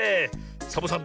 サボさん